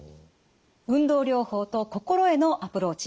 運動療法と心へのアプローチ。